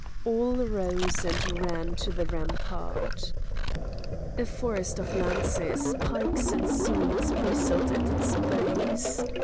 All rose and ran to the rampart. A forest of lances, pikes, and swords bristled at its base.